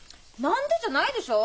何でじゃないでしょ。